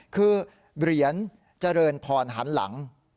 คือเหรียญเจริญพรหันหลัง